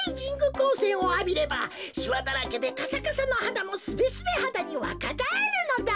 こうせんをあびればしわだらけでカサカサのはだもスベスベはだにわかがえるのだ。